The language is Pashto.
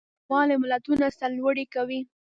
یووالی ملتونه سرلوړي کوي.